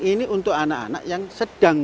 ini untuk anak anak yang sedang